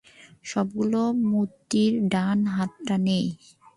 সবগুলো মূর্তিরই ডান হাতটা নেই।